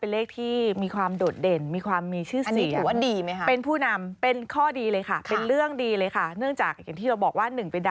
เรามาดูเลขต่อไปเหล็ก๙๑๑ค่ะ